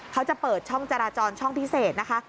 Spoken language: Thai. เขาจะเปิดช่องจราจรช่องพิเศษนะคะ